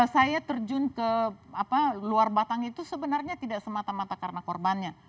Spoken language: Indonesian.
saya terjun ke luar batang itu sebenarnya tidak semata mata karena korbannya